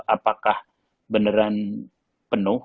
apakah beneran penuh